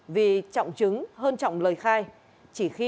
vì trọng chứng hơn trọng lời khai